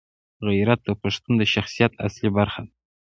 غیرت د پښتون د شخصیت اصلي برخه ده.